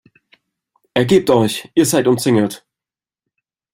Ergebt euch, ihr seid umzingelt!